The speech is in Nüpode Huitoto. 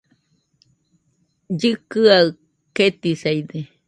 Llikɨaɨ ketisaide